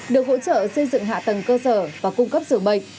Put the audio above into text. được hỗ trợ xây dựng hạ tầng cơ sở và cung cấp rượu bệnh